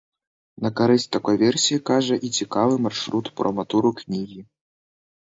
На карысць такой версіі кажа і цікавы маршрут прома-туру кнігі.